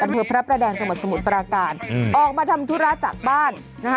อำเภอพระประแดงจังหวัดสมุทรปราการอืมออกมาทำธุระจากบ้านนะคะ